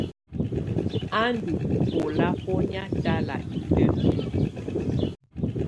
Á ndɔ́ bɛ́lábɔ́nɛ̀á talá itǝ́bilǝ.